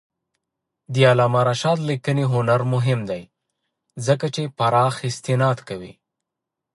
د علامه رشاد لیکنی هنر مهم دی ځکه چې پراخ استناد کوي.